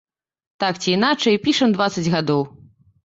Так ці іначай, пішам дваццаць гадоў.